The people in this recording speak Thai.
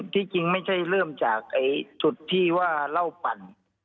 ที่จริงไม่ใช่เริ่มจากจุดที่ว่าเหล้าปั่น